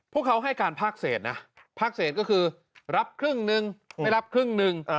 พวกเขาให้การภาคเศษนะภาคเศษก็คือรับครึ่งนึงไม่รับครึ่งหนึ่ง